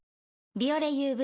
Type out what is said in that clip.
「ビオレＵＶ」